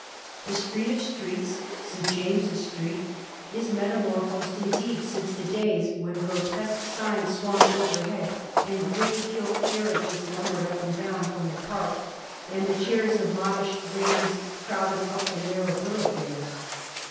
The street of streets, St. James's Street, is metamorphosed indeed since the days when gro tesque signs swung overhead, and great gilt car riages lumbered up and down from the park, and the chairs of modish ladies crowded up the narrow thoroughfares.